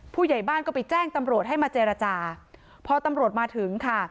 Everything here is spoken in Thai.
ผู้ใหญ่บ้านก็ไปแจ้งตำรวจให้มาเจรจาพอตำรวจมาถึงค่ะ